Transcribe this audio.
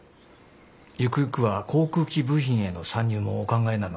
ゆくゆくは航空機部品への参入もお考えなのですか？